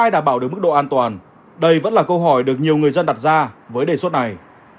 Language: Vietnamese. rất là câu hỏi được nhiều người dân đặt ra với đề xuất này